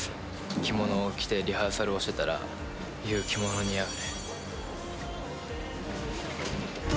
着物を着てリハーサルをしてたら、ＹＯＵ、着物似合うね。